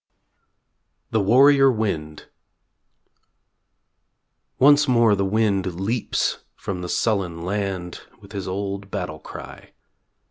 THE WARRIOR WIND Once more the wind leaps from the sullen land With his old battle cry.